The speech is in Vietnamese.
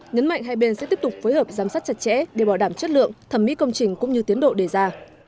nhấn mạnh hai bên sẽ tiếp tục phối hợp giám sát chặt chẽ để bảo đảm chất lượng thẩm mỹ công trình cũng như tiến độ đề ra